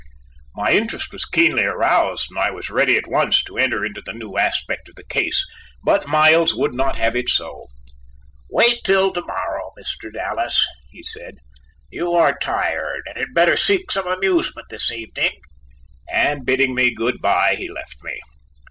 My interest was keenly aroused and I was ready at once to enter into the new aspect of the case, but Miles would not have it so. "Wait till to morrow, Mr. Dallas," he said; "you are tired, and had better seek some amusement this evening," and bidding me good bye, he left me.